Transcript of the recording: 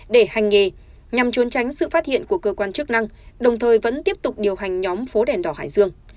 để hành nghề nhằm trốn tránh sự phát hiện của cơ quan chức năng đồng thời vẫn tiếp tục điều hành nhóm phố đèn đỏ hải dương